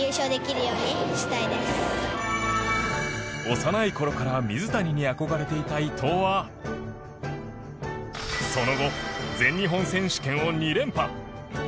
幼い頃から水谷に憧れていた伊藤はその後、全日本選手権を２連覇。